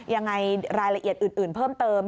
ยังไงรายละเอียดอื่นเพิ่มเติม